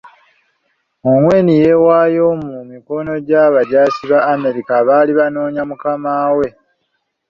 Ongwen yeewaayo mu mikono gy'abajaasi ba Amerika abali banoonya mukama we.